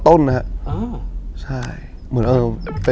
โหทั้งชีวิตเลยตั้งแต่มต้นนะครับ